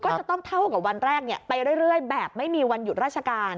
ก็จะต้องเท่ากับวันแรกไปเรื่อยแบบไม่มีวันหยุดราชการ